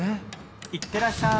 いってらっしゃい！